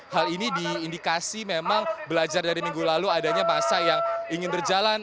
hal ini diindikasi memang belajar dari minggu lalu adanya masa yang ingin berjalan